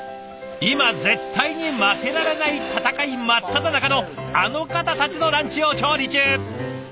今絶対に負けられない戦い真っただ中のあの方たちのランチを調理中。